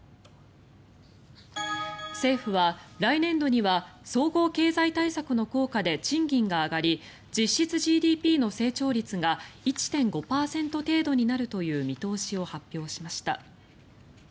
政府は来年度には総合経済対策の効果で賃金が上がり実質ＧＤＰの成長率が１．５％程度になるという見通しを発表しました。